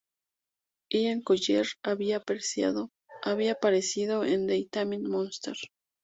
Ian Collier había aparecido en "The Time Monster".